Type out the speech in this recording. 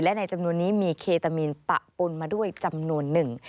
และในจำนวนนี้มีเคตามีนปะปนมาด้วยจำนวนหนึ่ง